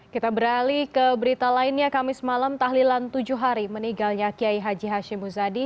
kita beralih ke berita lainnya kamis malam tahlilan tujuh hari meninggalnya kiai haji hashim muzadi